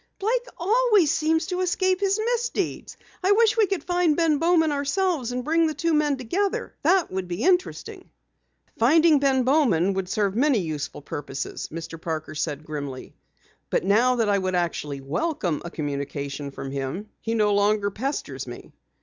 "Blake always seems to escape his misdeeds. I wish we could find Ben Bowman ourselves, and bring the two men together. That would be interesting!" "Finding Ben Bowman would serve many useful purposes," Mr. Parker said grimly. "But now that I would actually welcome a communication from him, he no longer pesters me!"